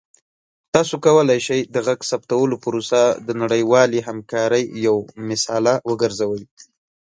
تاسو کولی شئ د غږ ثبتولو پروسه د نړیوالې همکارۍ یوه مثاله وګرځوئ.